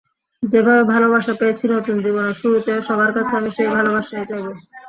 যেভাবে ভালোবাসা পেয়েছি, নতুন জীবনের শুরুতেও সবার কাছে আমি সেই ভালোবাসাই চাইব।